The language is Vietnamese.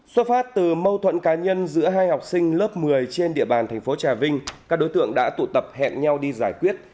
xuất phát từ mâu thuẫn cá nhân giữa hai học sinh lớp một mươi trên địa bàn thành phố trà vinh các đối tượng đã tụ tập hẹn nhau đi giải quyết